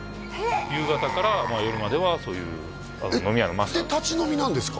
夕方からまあ夜まではそういう飲み屋のマスターで立ち飲みなんですか？